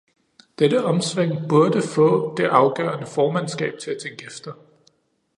Dette omsving burde få det afgående formandskab til at tænke efter.